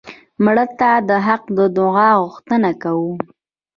مړه ته د حق د دعا غوښتنه کوو